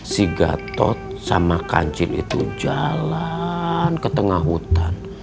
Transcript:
si gatot sama kancil itu jalan ke tengah hutan